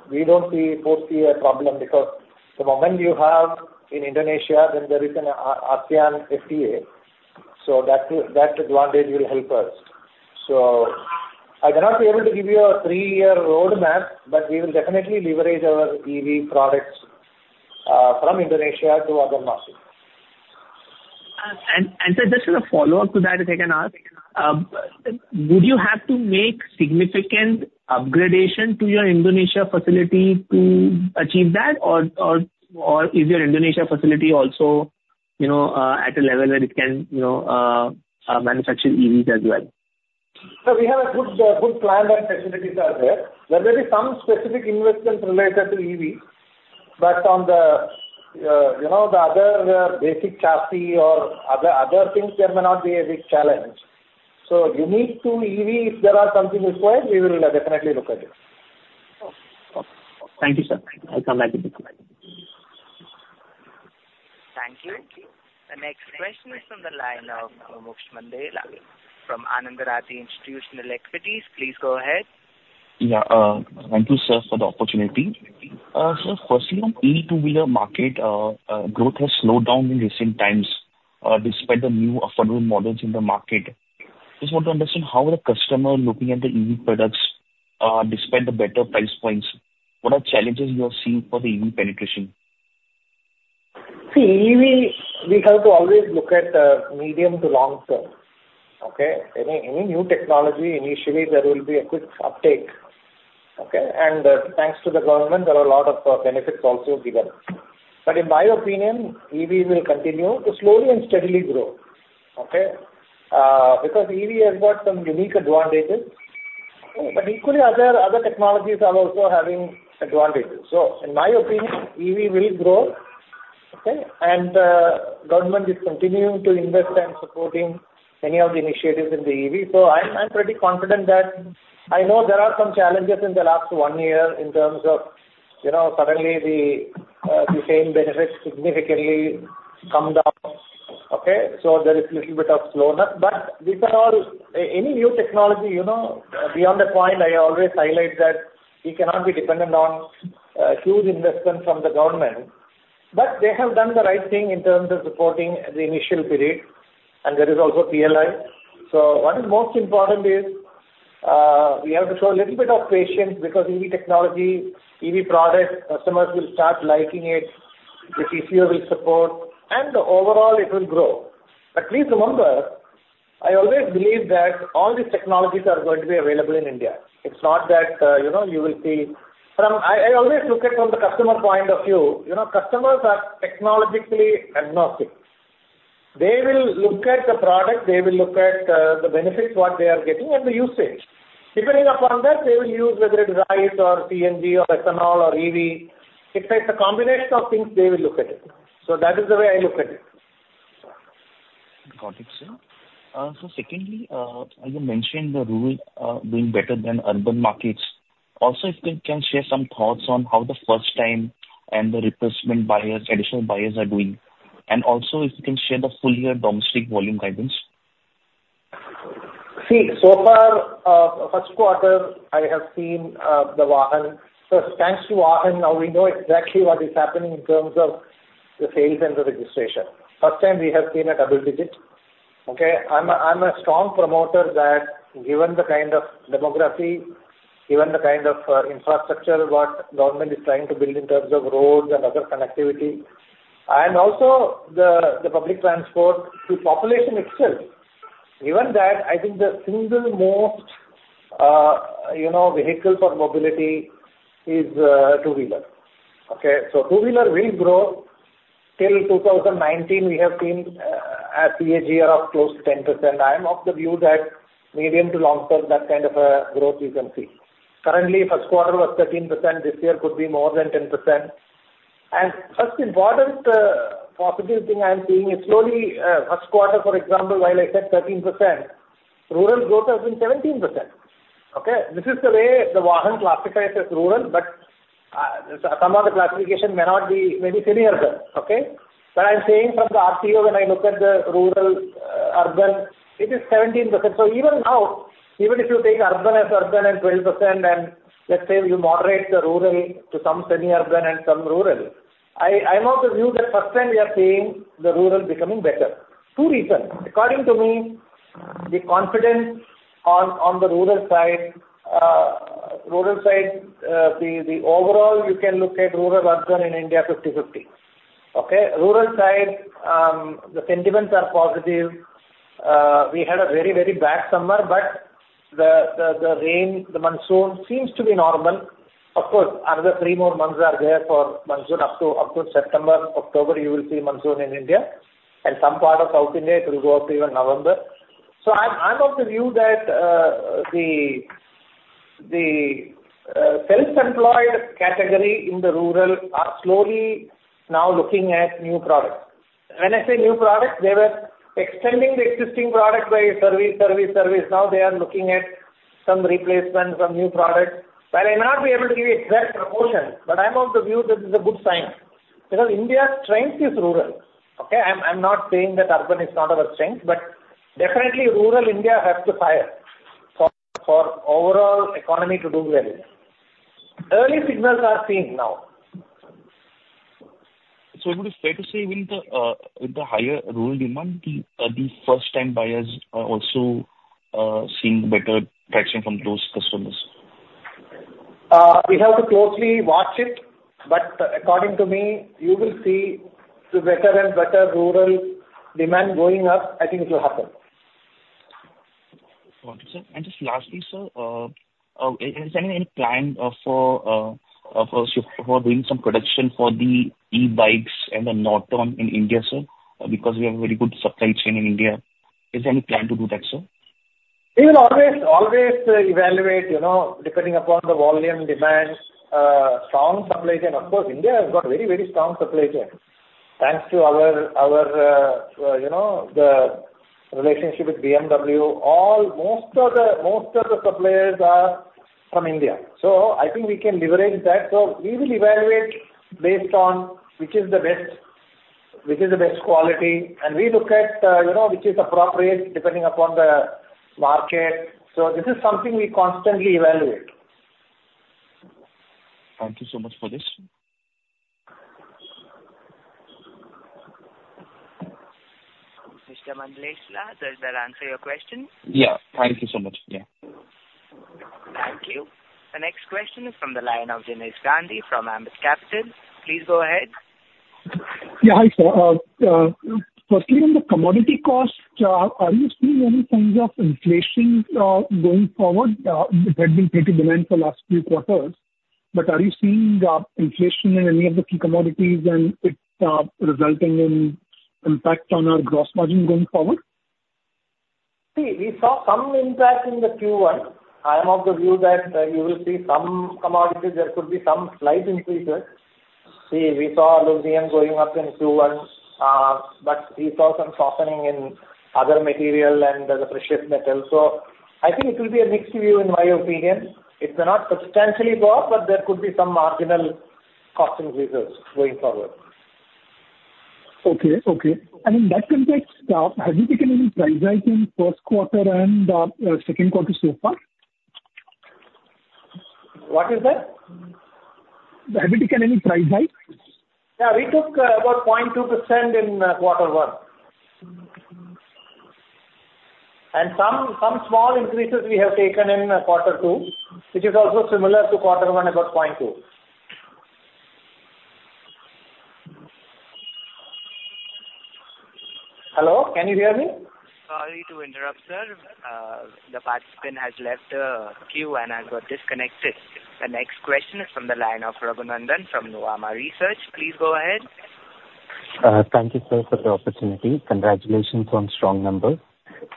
we don't see, foresee a problem, because the moment you have in Indonesia, then there is an, ASEAN FTA, so that will, that advantage will help us. So I cannot be able to give you a three-year roadmap, but we will definitely leverage our EV products, from Indonesia to other markets. Sir, just as a follow-up to that, if I can ask, would you have to make significant upgradation to your Indonesia facility to achieve that? Or is your Indonesia facility also, you know, at a level where it can, you know, manufacture EVs as well?... So we have a good, good plan and facilities are there. There may be some specific investments related to EV, but on the, you know, the other basic chassis or other, other things, there may not be a big challenge. So unique to EV, if there are something required, we will definitely look at it. Okay. Thank you, sir. I'll come back to you. Thank you. The next question is from the line of Mumuksh Mandlesha from Anand Rathi Institutional Equities. Please go ahead. Thank you, sir, for the opportunity. Sir, firstly, on EV two-wheeler market, growth has slowed down in recent times, despite the new affordable models in the market. Just want to understand how the customer is looking at the EV products, despite the better price points. What are the challenges you are seeing for the EV penetration? See, EV, we have to always look at medium to long term, okay? Any new technology, initially, there will be a quick uptake, okay? And thanks to the government, there are a lot of benefits also given. But in my opinion, EV will continue to slowly and steadily grow, okay? Because EV has got some unique advantages, but equally, other technologies are also having advantages. So in my opinion, EV will grow, okay? And government is continuing to invest and supporting many of the initiatives in the EV. So I'm pretty confident that I know there are some challenges in the last one year in terms of, you know, suddenly the same benefits significantly come down, okay? So there is little bit of slowdown. But these are all... Any new technology, you know, beyond a point, I always highlight that we cannot be dependent on huge investment from the government. But they have done the right thing in terms of supporting the initial period, and there is also PLI. So what is most important is, we have to show a little bit of patience, because EV technology, EV products, customers will start liking it, the TCO will support, and overall it will grow. But please remember, I always believe that all these technologies are going to be available in India. It's not that, you know, you will see from. I always look at from the customer point of view. You know, customers are technologically agnostic. They will look at the product, they will look at the benefits, what they are getting and the usage. Depending upon that, they will use whether it's ICE or CNG or ethanol or EV. It's, it's a combination of things they will look at it. So that is the way I look at it. Got it, sir. So secondly, you mentioned the rural doing better than urban markets. Also, if you can share some thoughts on how the first time and the replacement buyers, additional buyers are doing, and also if you can share the full year domestic volume guidance. See, so far, first quarter, I have seen the Vahan. So thanks to Vahan, now we know exactly what is happening in terms of the sales and the registration. First time we have seen a double digit, okay? I'm a strong promoter that given the kind of demography, given the kind of infrastructure what government is trying to build in terms of roads and other connectivity, and also the public transport to population itself, given that, I think the single most, you know, vehicle for mobility is two-wheeler, okay? So two-wheeler will grow. Till 2019, we have seen a CAGR of close to 10%. I am of the view that medium to long term, that kind of a growth you can see. Currently, first quarter was 13%, this year could be more than 10%. First important positive thing I am seeing is slowly, first quarter, for example, while I said 13%, rural growth has been 17%, okay? This is the way the Vahan classifies as rural, but some of the classification may not be, may be semi-urban, okay? But I'm saying from the RTO, when I look at the rural, urban, it is 17%. So even now, even if you take urban as urban and 12%, and let's say you moderate the rural to some semi-urban and some rural, I am of the view that first time we are seeing the rural becoming better. Two reasons. According to me, the confidence on the rural side, the overall, you can look at rural, urban in India, 50/50, okay? Rural side, the sentiments are positive. We had a very, very bad summer, but the rain, the monsoon seems to be normal. Of course, another three more months are there for monsoon up to September. October, you will see monsoon in India, and some part of South India, it will go up to even November. So I'm of the view that the self-employed category in the rural are slowly now looking at new products. When I say new products, they were extending the existing product by service. Now they are looking at some replacement, some new products. While I may not be able to give you exact proportion, but I'm of the view this is a good sign. Because India's strength is rural, okay? I'm not saying that urban is not our strength, but definitely rural India has to fire for overall economy to do well. Early signals are seen now. So would it be fair to say with the higher rural demand, the first time buyers are also seeing better traction from those customers? We have to closely watch it, but according to me, you will see the better and better rural demand going up. I think it will happen. Got it, sir. Just lastly, sir, is there any plan for doing some production for the e-bikes and the Norton in India, sir? Because we have very good supply chain in India. Is there any plan to do that, sir? We will always, always, evaluate, you know, depending upon the volume, demand, strong supply chain. Of course, India has got very, very strong supply chain. Thanks to our, our, you know, the relationship with BMW, all, most of the, most of the suppliers are from India, so I think we can leverage that. So we will evaluate based on which is the best, which is the best quality, and we look at, you know, which is appropriate depending upon the market. So this is something we constantly evaluate. Thank you so much for this. Mr. Mumuksh Mandlesha, does that answer your question? Yeah. Thank you so much. Yeah. Thank you. The next question is from the line of Jinesh Gandhi from Ambit Capital. Please go ahead. Yeah, hi, sir. Firstly, on the commodity cost, are you seeing any signs of inflation going forward? There had been plenty demand for last few quarters, but are you seeing inflation in any of the key commodities and it resulting in impact on our gross margin going forward? See, we saw some impact in the Q1. I am of the view that you will see some commodities, there could be some slight increases. See, we saw aluminum going up in Q1, but we saw some softening in other material and the precious metals. So I think it will be a mixed view in my opinion. It may not substantially go up, but there could be some marginal costing increases going forward. Okay, okay. In that context, have you taken any price hike in first quarter and second quarter so far? What is that? Have you taken any price hike? Yeah, we took about 0.2% in quarter one. And some small increases we have taken in quarter two, which is also similar to quarter one, about 0.2%. Hello, can you hear me? Sorry to interrupt, sir. The participant has left the queue and has got disconnected. The next question is from the line of Raghunandhan N.L. from Nomura. Please go ahead. Thank you, sir, for the opportunity. Congratulations on strong numbers.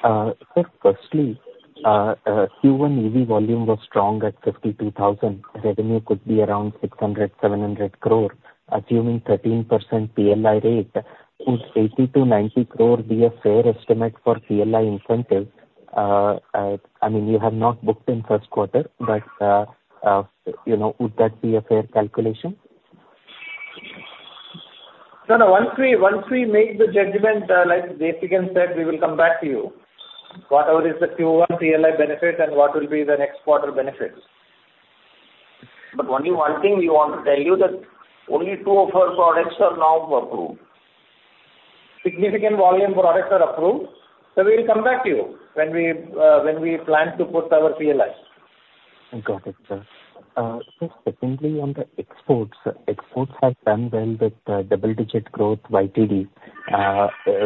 Sir, firstly, Q1 EV volume was strong at 52,000. Revenue could be around 600 crore-700 crore, assuming 13% PLI rate. Would 80 crore-90 crore be a fair estimate for PLI incentive? I mean, you have not booked in first quarter, but, you know, would that be a fair calculation? No, no. Once we make the judgment, like Jessica said, we will come back to you. Whatever is the Q1 PLI benefit and what will be the next quarter benefit. But only one thing we want to tell you that only two of our products are now approved. Significant volume products are approved. So we will come back to you when we plan to put our PLI. Got it, sir. So secondly, on the exports. Exports have done well with double-digit growth YTD.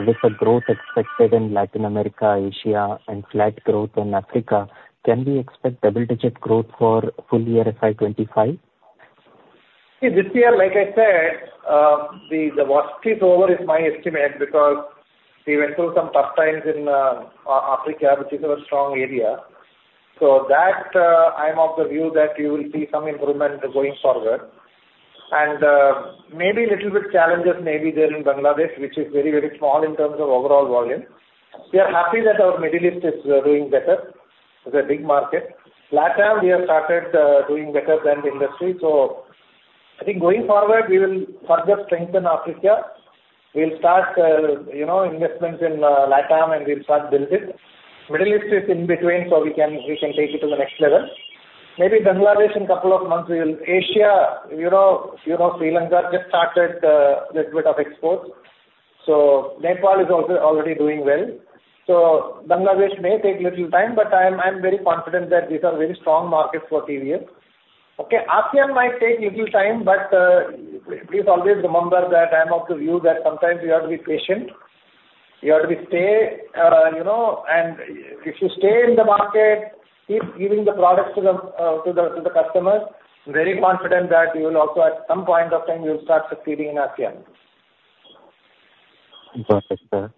With the growth expected in Latin America, Asia, and flat growth in Africa, can we expect double-digit growth for full year FY 25? See, this year, like I said, the worst is over is my estimate, because we went through some tough times in Africa, which is our strong area. So that, I'm of the view that you will see some improvement going forward. And, maybe little bit challenges may be there in Bangladesh, which is very, very small in terms of overall volume. We are happy that our Middle East is doing better. It's a big market. LATAM, we have started doing better than the industry. So I think going forward, we will further strengthen Africa. We'll start you know, investments in LATAM, and we'll start build it. Middle East is in between, so we can, we can take it to the next level. Maybe Bangladesh in couple of months we will... Asia, you know, you know, Sri Lanka just started, little bit of exports. So Nepal is also already doing well. So Bangladesh may take little time, but I am, I am very confident that these are very strong markets for TVS. Okay, ASEAN might take little time, but, please always remember that I'm of the view that sometimes you have to be patient, you have to stay, you know, and if you stay in the market, keep giving the products to the customers, very confident that you will also at some point of time you'll start succeeding in ASEAN. Got it, sir.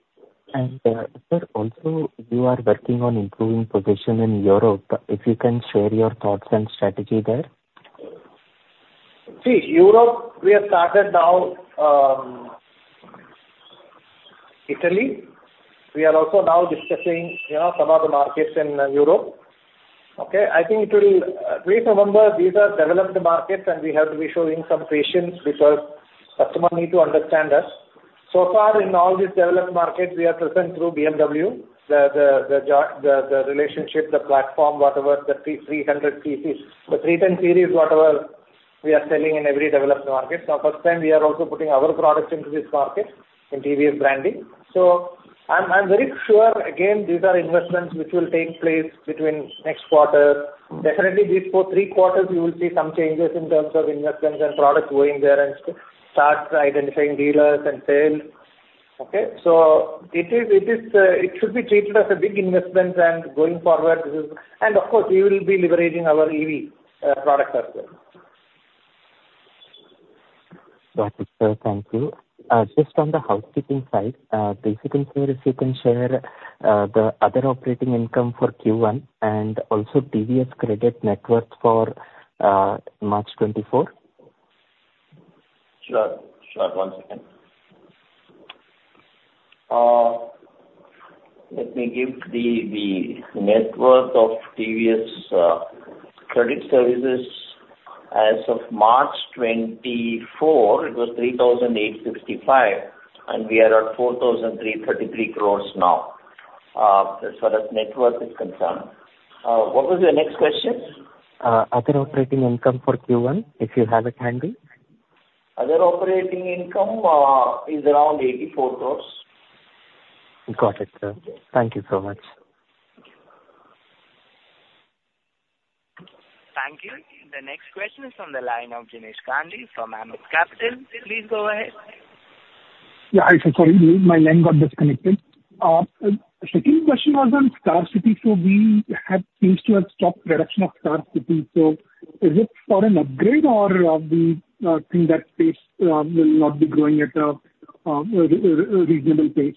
And, sir, also, you are working on improving position in Europe. If you can share your thoughts and strategy there? See, Europe, we have started now, Italy. We are also now discussing, you know, some of the markets in Europe. Okay, I think it will, please remember, these are developed markets, and we have to be showing some patience because customers need to understand us. So far, in all these developed markets, we are present through BMW, the relationship, the platform, whatever, the 300 cc, the 310 series, whatever we are selling in every developed market. Now, first time, we are also putting our products into this market in TVS branding. So I'm very sure, again, these are investments which will take place between next quarter. Definitely, these two-three quarters, you will see some changes in terms of investments and products going there and start identifying dealers and sales.... Okay, so it is. It should be treated as a big investment and going forward and of course, we will be liveraging our EV product as well. Got it, sir. Thank you. Just on the housekeeping side, basically, sir, if you can share the other operating income for Q1 and also TVS Credit net worth for March 2024? Sure, sure. One second. Let me give the net worth of TVS Credit Services. As of March 2024, it was 3,865 crores, and we are at 4,333 crores now, as far as net worth is concerned. What was your next question? Other operating income for Q1, if you have it handy? Other operating income is around 84 crore. Got it, sir. Yes. Thank you so much. Thank you. The next question is on the line of Jinesh Gandhi from Ambit Capital. Please go ahead. Yeah, hi, sorry, my line got disconnected. Second question was on Star City. So we had seems to have stopped production of Star City, so is it for an upgrade or we think that pace will not be growing at a reasonable pace?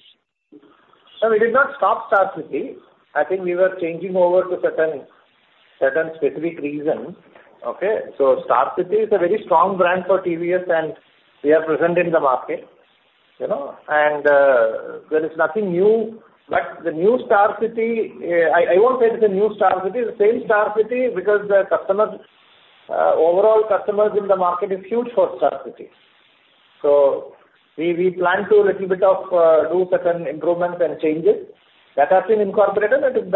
No, we did not stop Star City. I think we were changing over to certain specific reasons. Okay, so Star City is a very strong brand for TVS, and we are present in the market, you know, and there is nothing new. But the new Star City, I won't say it is a new Star City, the same Star City, because the overall customers in the market is huge for Star City. So we plan to do a little bit of certain improvements and changes that have been incorporated, and it is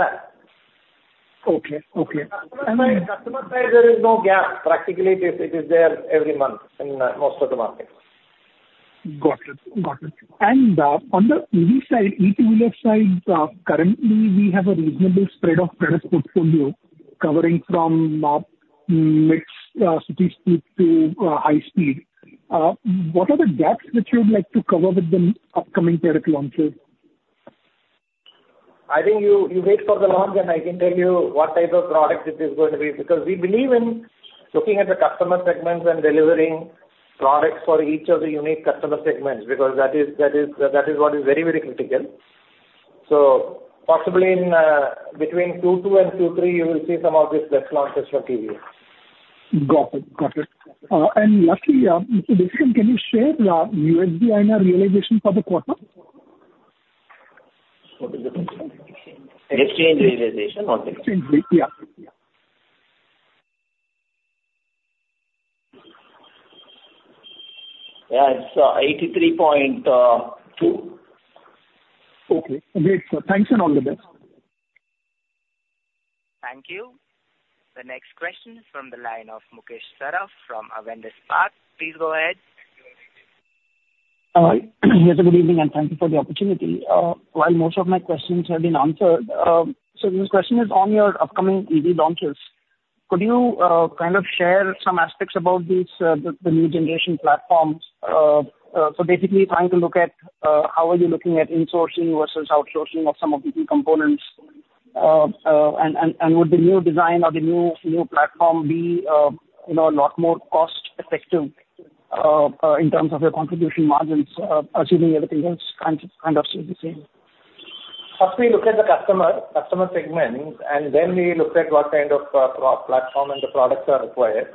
back. Okay. Okay. Customer side, customer side, there is no gap. Practically, it is, it is there every month in, most of the markets. Got it. Got it. And, on the EV side, e-two wheeler side, currently we have a reasonable spread of product portfolio covering from, mixed, city speed to, high speed. What are the gaps which you would like to cover with the upcoming product launches? I think you, you wait for the launch, and I can tell you what type of product it is going to be, because we believe in looking at the customer segments and delivering products for each of the unique customer segments, because that is, that is, that is what is very, very critical. So possibly in between 2022 and 2023, you will see some of these best launches for TVS. Got it. Got it. And last year, Mr. Krishan, can you share your USD-INR realization for the quarter? What is the question? Exchange realization or the- Exchange, yeah. Yeah, it's 83.2. Okay, great, sir. Thanks, and all the best. Thank you. The next question is from the line of Mukesh Saraf from Avendus Spark. Please go ahead. Yes, good evening, and thank you for the opportunity. While most of my questions have been answered, this question is on your upcoming EV launches. Could you kind of share some aspects about these, the new generation platforms? So basically trying to look at how are you looking at insourcing versus outsourcing of some of the key components, and would the new design or the new platform be, you know, a lot more cost effective in terms of your contribution margins, assuming everything else kind of stay the same? First, we look at the customer, customer segments, and then we look at what kind of, pro- platform and the products are required.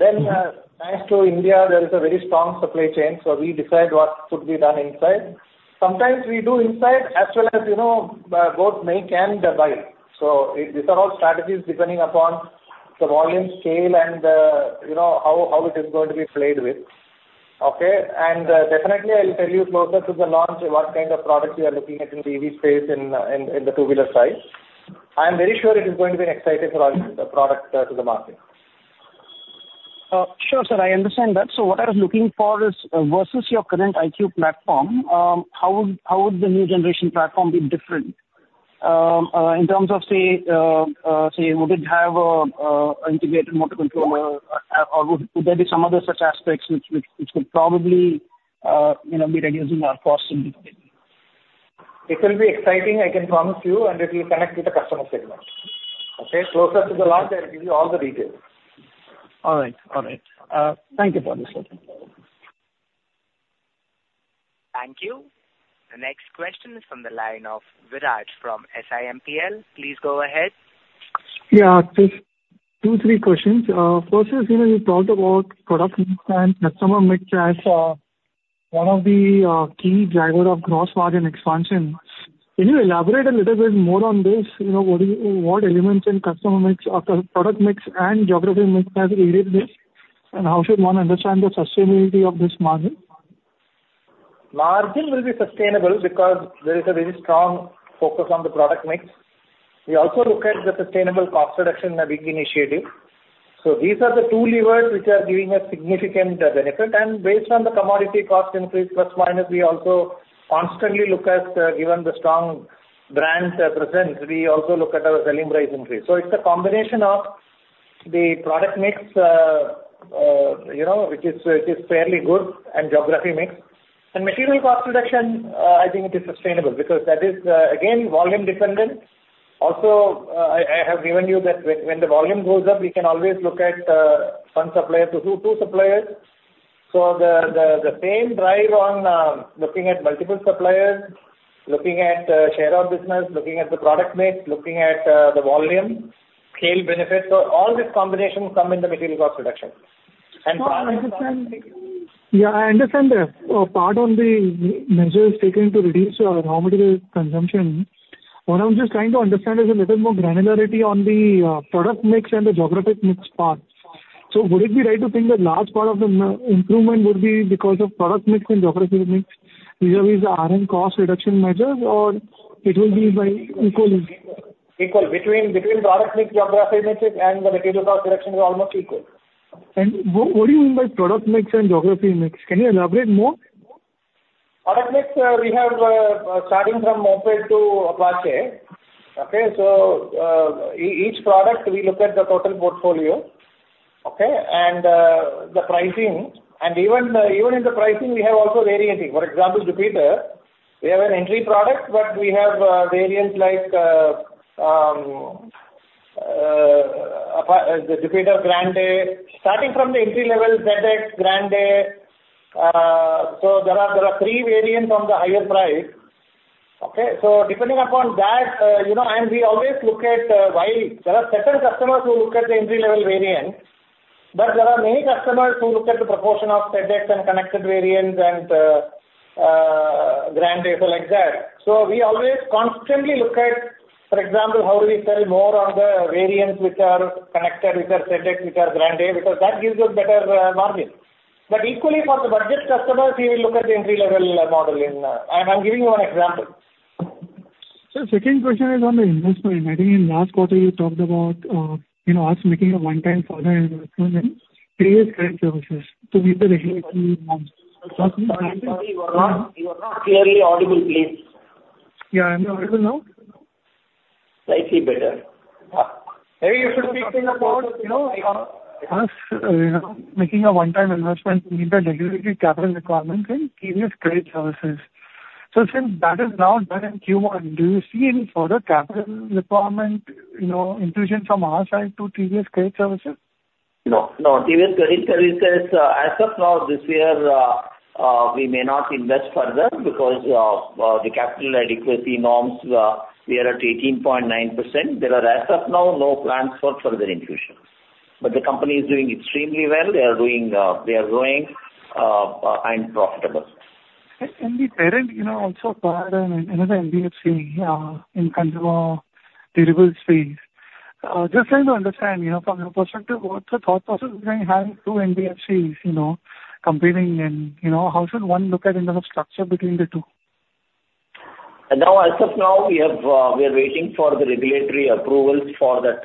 Mm-hmm. Then, thanks to India, there is a very strong supply chain, so we decide what could be done inside. Sometimes we do inside as well as, you know, both make and buy. So these are all strategies depending upon the volume, scale and, you know, how it is going to be played with. Okay? And, definitely, I will tell you closer to the launch what kind of products we are looking at in the EV space, in the two-wheeler side. I am very sure it is going to be an exciting product to the market. Sure, sir, I understand that. So what I was looking for is, versus your current iQube platform, how would the new generation platform be different? In terms of, say, would it have an integrated motor controller, or could there be some other such aspects which could probably, you know, be reducing our costs in the future? It will be exciting, I can promise you, and it will connect with the customer segment. Okay, closer to the launch, I will give you all the details. All right. All right, thank you for this. Thank you. The next question is from the line of Viraj from SiMPL. Please go ahead. Yeah, just two, three questions. First is, you know, you talked about product mix and customer mix as one of the key driver of gross margin expansion. Can you elaborate a little bit more on this? You know, what elements in customer mix or product mix and geography mix has aided this, and how should one understand the sustainability of this margin? Margin will be sustainable because there is a very strong focus on the product mix. We also look at the sustainable cost reduction, a big initiative. So these are the two levers which are giving a significant benefit. And based on the commodity cost increase, plus, minus, we also constantly look at, given the strong brand presence, we also look at our selling price increase. So it's a combination of the product mix, you know, which is fairly good and geography mix. And material cost reduction, I think it is sustainable because that is, again, volume dependent. Also, I have given you that when the volume goes up, we can always look at, one supplier to two suppliers. So the same drive on looking at multiple suppliers, looking at share of business, looking at the product mix, looking at the volume scale benefits. So all this combination come in the material cost reduction. And- Yeah, I understand. Yeah, I understand that. Part on the measures taken to reduce raw material consumption. What I'm just trying to understand is a little more granularity on the product mix and the geographic mix part. So would it be right to think that large part of the improvement would be because of product mix and geographic mix? These are these RM cost reduction measures or it will be by equally? Equal. Between the product mix, geography mix, and the material cost reduction is almost equal. What do you mean by product mix and geography mix? Can you elaborate more? Product mix, we have starting from moped to Apache, okay? So, each product, we look at the total portfolio, okay? And, the pricing, and even, even in the pricing we have also varying. For example, Jupiter, we have an entry product, but we have variants like the Jupiter Grande. Starting from the entry-level, ZX, Grande, so there are three variants on the higher price, okay? So depending upon that, you know, and we always look at while there are certain customers who look at the entry-level variant, but there are many customers who look at the proportion of ZX and connected variants and Grande, so like that. So we always constantly look at, for example, how do we sell more on the variants which are connected, which are ZX, which are Grande, because that gives us better margin. But equally for the budget customers, we will look at the entry-level model in... I'm giving you one example. Sir, second question is on the investment. I think in last quarter you talked about, you know, us making a one-time further investment in TVS Credit Services to meet the regulatory norms. Sorry, you are not, you are not clearly audible. Please. Yeah. I am audible now? Slightly better. You should be clear about, you know, As, you know, making a one-time investment to meet the regulatory capital requirements in TVS Credit Services. So since that is now done in Q1, do you see any further capital requirement, you know, infusion from our side to TVS Credit Services? No, no. TVS Credit Services, as of now, this year, we may not invest further because the capital adequacy norms, we are at 18.9%. There are, as of now, no plans for further infusions. But the company is doing extremely well. They are doing, they are growing, and profitable. The parent, you know, also acquired another NBFC in consumer durable space. Just trying to understand, you know, from your perspective, what's the thought process behind having two NBFCs, you know, competing and, you know, how should one look at in the structure between the two? Now, as of now, we have, we are waiting for the regulatory approvals for that,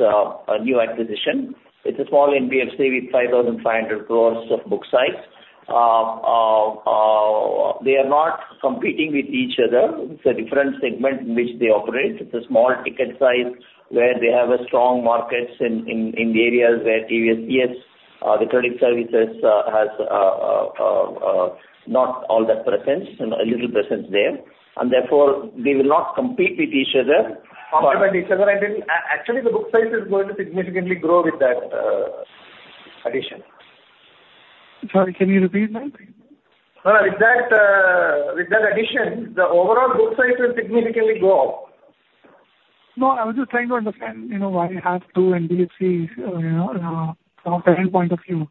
new acquisition. It's a small NBFC with 5,500 crore book size. They are not competing with each other. It's a different segment in which they operate. It's a small ticket size, where they have a strong markets in the areas where TVS, the credit services, has not all that presence and a little presence there, and therefore, they will not compete with each other. Compete with each other, and then actually, the book size is going to significantly grow with that, addition. Sorry, can you repeat that? With that, with that addition, the overall book size will significantly go up. No, I was just trying to understand, you know, why you have two NBFCs, you know, from a parent point of view.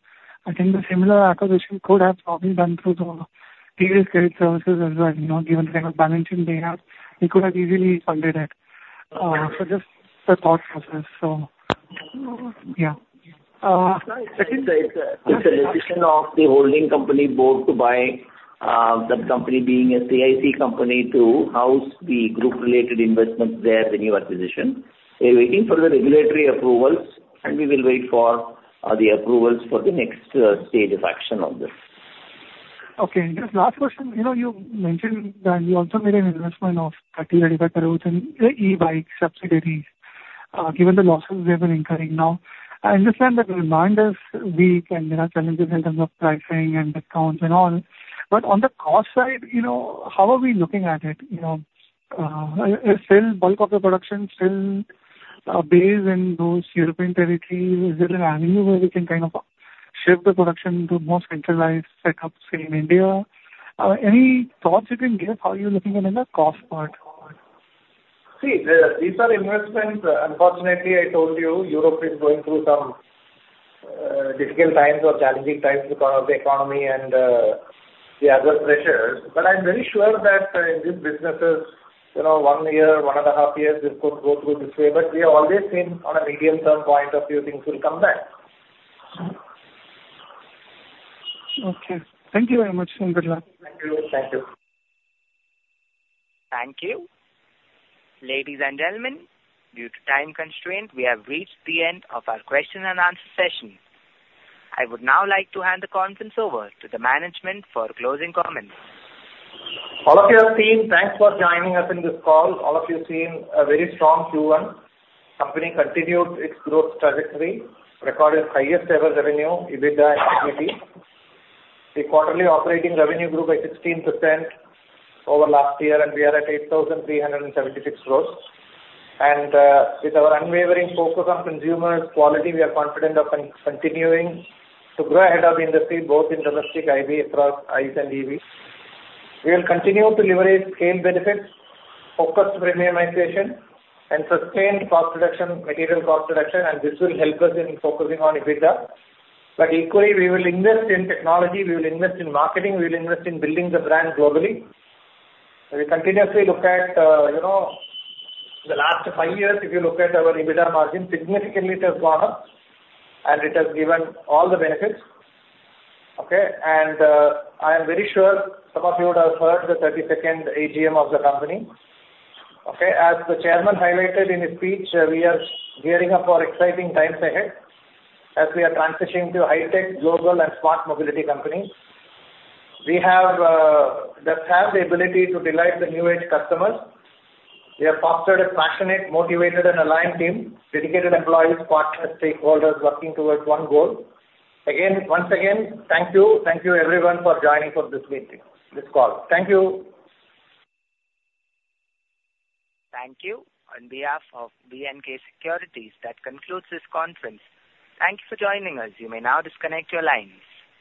I think the similar acquisition could have probably been through the previous credit services as well, you know, given the kind of balancing they have, they could have easily funded it. So just the thought process, so yeah. It's a decision of the holding company board to buy that company being a CIC company to house the group-related investments there, the new acquisition. We're waiting for the regulatory approvals, and we will wait for the approvals for the next stage of action on this. Okay. Just last question. You know, you mentioned that you also made an investment of INR 35 crore in the e-bike subsidiary. Given the losses we have been incurring now, I understand that demand is weak and there are challenges in terms of pricing and discounts and all. But on the cost side, you know, how are we looking at it? You know, still bulk of the production still based in those European territories. Is there an avenue where we can kind of shift the production to more centralized setups in India? Any thoughts you can give how you're looking at in the cost part? See, these are investments. Unfortunately, I told you, Europe is going through some difficult times or challenging times because of the economy and the other pressures. But I'm very sure that in these businesses, you know, one year, one and a half years, this could go through this way. But we have always been on a medium-term point of view, things will come back. Okay. Thank you very much. Thank you. Thank you. Thank you. Ladies and gentlemen, due to time constraint, we have reached the end of our question and answer session. I would now like to hand the conference over to the management for closing comments. All of you have seen. Thanks for joining us in this call. All of you have seen a very strong Q1. Company continued its growth trajectory, recorded highest ever revenue, EBITDA, and EBIT. The quarterly operating revenue grew by 16% over last year, and we are at 8,376 crores. And with our unwavering focus on consumer quality, we are confident of continuing to grow ahead of the industry, both in domestic EV, across ICE and EV. We will continue to leverage scale benefits, focus premiumization, and sustain cost reduction, material cost reduction, and this will help us in focusing on EBITDA. But equally, we will invest in technology, we will invest in marketing, we will invest in building the brand globally. We continuously look at, you know, the last five years, if you look at our EBITDA margin, significantly it has gone up, and it has given all the benefits, okay? And, I am very sure some of you would have heard the 32nd AGM of the company, okay? As the chairman highlighted in his speech, we are gearing up for exciting times ahead as we are transitioning to a high-tech, global, and smart mobility company. We have, that have the ability to delight the new age customers. We have fostered a passionate, motivated, and aligned team, dedicated employees, partners, stakeholders, working towards one goal. Again, once again, thank you. Thank you everyone for joining for this meeting, this call. Thank you. Thank you. On behalf of B&K Securities, that concludes this conference. Thank you for joining us. You may now disconnect your lines.